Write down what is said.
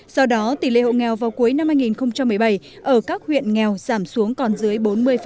do đó tỷ lệ hộ nghèo vào cuối năm hai nghìn một mươi bảy ở các huyện nghèo giảm xuống còn dưới bốn mươi